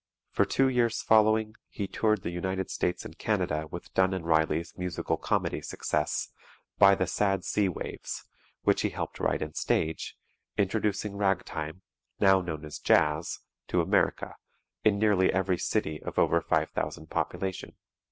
For two years following he toured the United States and Canada with Dunne and Ryley's musical comedy success, "By the Sad Sea Waves," which he helped write and stage, introducing "ragtime," now known as "Jazz," to America in nearly every city of over 5,000 population.